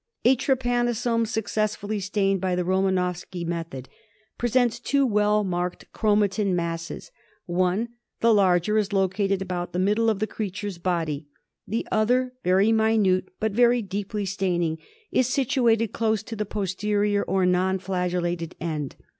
A trypanosome successfully stained by the Romanowsky method presents two well marked chromatin masses. One, the larger, is located about the middle of the creature's body; the other, very minute, but very deeply staining, is situated close to the posterior or non flagellated end.